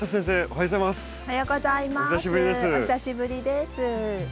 お久しぶりです。